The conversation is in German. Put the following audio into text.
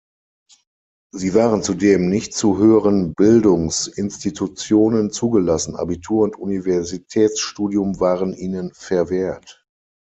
Sie waren zudem nicht zu höheren Bildungsinstitutionen zugelassen, Abitur und Universitätsstudium waren ihnen verwehrt.